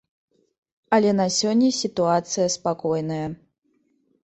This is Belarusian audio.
Але на сёння сітуацыя спакойная.